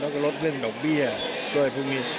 แล้วก็ลดเรื่องด่องเบี้ยแล้วอะไรพวกนี้